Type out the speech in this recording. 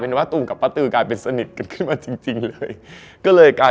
อ๋อคิดว่าจะไม่ร้องมันไม่ไหวอ่ะ